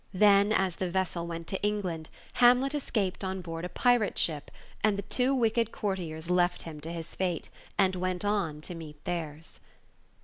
Then, as the vessel went to England, Hamlet escaped on board a pirate ship, and the two wicked courtiers left him to his fate, and went on to meet theirs.